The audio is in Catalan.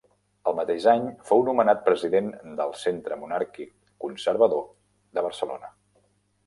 El mateix any fou nomenat president del Centre Monàrquic Conservador de Barcelona.